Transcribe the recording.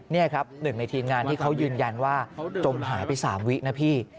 นี่ครับหนึ่งในทีมงานที่เขายืนยันว่าจมหายไป๓วินะพี่